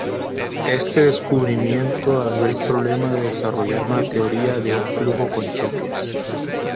Este descubrimiento abrió el problema de desarrollar una teoría de un flujo con choques.